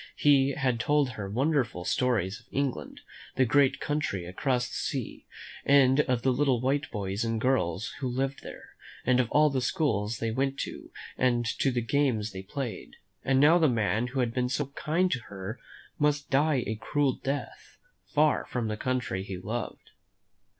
He had told her wonderful stories of England, the great country across the sea, and of the little white boys and girls who lived there, and of the schools they went to and the games they played; and now the man who had been so kind to her must die a cruel death, far from the country he loved.